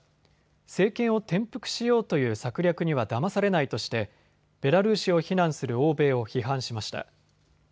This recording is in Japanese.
政権を転覆しようという策略にはだまされないとしてベラルーシを非難する欧米を批判しました。